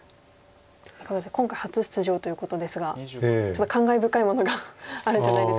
今回初出場ということですがちょっと感慨深いものがあるんじゃないですか？